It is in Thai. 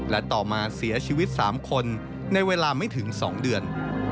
และต่อมาเสียชีวิต๓คนในเวลาไม่ถึง๒เดือน